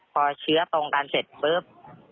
พอเชื้อตรงกันเสร็จปุ๊บ